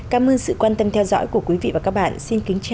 cảm ơn sự quan tâm theo dõi của quý vị và các bạn xin kính chào và hẹn gặp lại